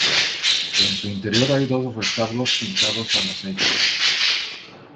En su interior hay dos retablos pintados al aceite.